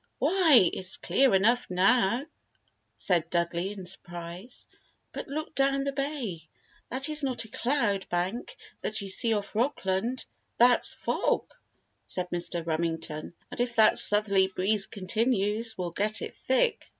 "Why, it's clear enough now," said Dudley, in surprise. "But look down the bay, that is not a cloud bank that you see off Rockland, that's fog," said Mr. Remington. "And if that southerly breeze continues we'll get it thick."